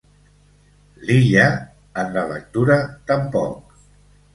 L'Illa, en la lectura, tampoc.